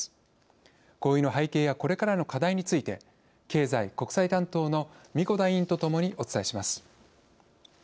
合意の背景やこれからの課題について経済・国際担当の子田委員と共にお伝えします。